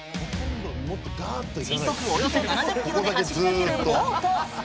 時速およそ７０ｋｍで走り抜けるボート。